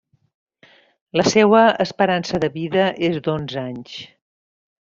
La seua esperança de vida és d'onze anys.